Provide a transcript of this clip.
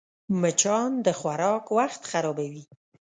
مچان د خوراک وخت خرابوي